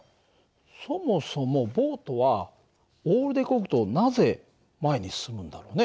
そもそもボートはオールでこぐとなぜ前に進むんだろうね？